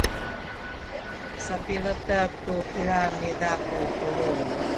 sapiletek tu kilang niza ku pulung.